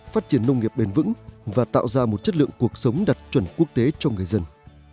phát triển nông nghiệp bền vững và tạo ra một chất lượng cuộc sống đạt chuẩn quốc tế cho người dân